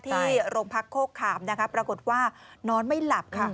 ที่โรงพักโคกขามนะคะปรากฏว่านอนไม่หลับค่ะ